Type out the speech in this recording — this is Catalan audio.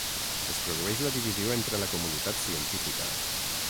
Es produeix la divisió entre la comunitat científica.